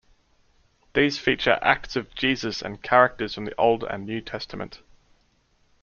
These feature acts of Jesus and characters from the Old and New Testament.